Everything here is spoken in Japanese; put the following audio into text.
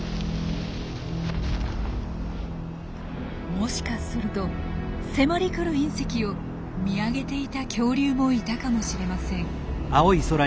もしかすると迫り来る隕石を見上げていた恐竜もいたかもしれません。